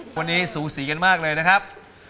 วันนี้สูสีกันมากเลยนะครับ